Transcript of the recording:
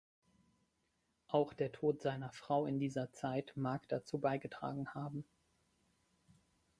Auch der Tod seiner Frau in dieser Zeit mag dazu beigetragen haben.